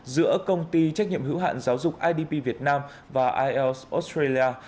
giữa công ty trách nhiệm hữu hạn giáo dục idp việt nam và ielts australia